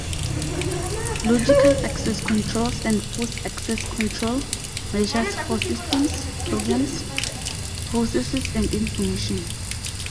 Logical access controls enforce access control measures for systems, programs, processes, and information.